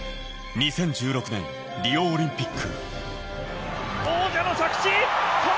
２０１６年、リオオリンピック。